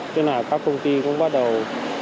các công ty cũng bắt đầu